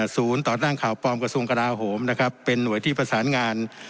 ศูนย์ต่อตั้งข่าวปลอมกระทรวงกราโหมนะครับเป็นหน่วยที่ประสานงาน